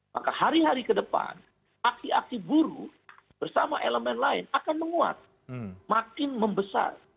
maka hari hari ke depan aksi aksi buru bersama elemen lain akan menguat makin membesar